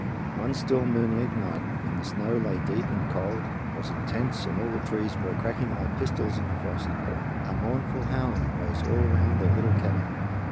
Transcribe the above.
One still moonlit night, when the snow lay deep and the cold was intense and all the trees were cracking like pistols in the frost, a mournful howling rose all around their little cabin.